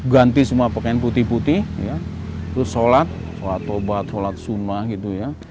ganti semua pakaian putih putih terus sholat sholat tobat sholat sumah gitu ya